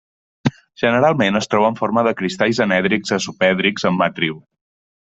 Generalment es troba en forma de cristalls anèdrics a subèdrics en matriu.